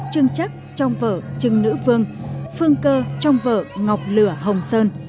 trưng trắc trong vở trưng nữ vương phương cơ trong vở ngọc lửa hồng sơn